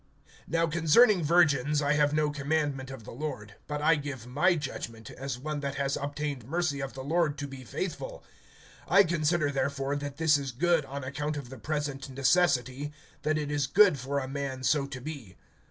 (25)Now concerning virgins I have no commandment of the Lord; but I give my judgment, as one that has obtained mercy of the Lord to be faithful. (26)I consider therefore that this is good on account of the present necessity, that it is good for a man so to be.